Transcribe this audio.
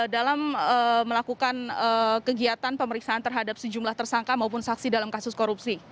dalam melakukan kegiatan pemeriksaan terhadap sejumlah tersangka maupun saksi dalam kasus korupsi